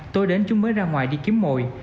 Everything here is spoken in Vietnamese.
tôi đến chúng mới ra ngoài đi kiếm mồi